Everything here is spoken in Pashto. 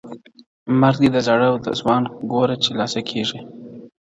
مرګ دی د زاړه او ځوان ګوره چي لا څه کیږي!